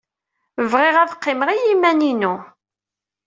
Bɣiɣ ad qqimeɣ i yiman-inu!